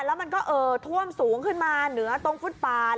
แล้วมันก็เอ่อท่วมสูงขึ้นมาเหนือตรงฟุตปาน